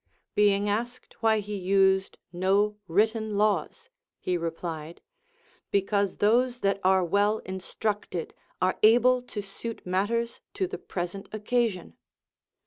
Being asked why he used no written laws, he replied, Be 422 LACONIC APOPHTHEGMS. cause those that are well instructed are able to suit matters to the present occasion.